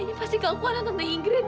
ini pasti gak kekuatan tentang ingrid